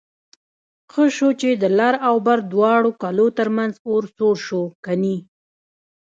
ښه شو چې د لر او بر دواړو کلو ترمنځ اور سوړ شو کني...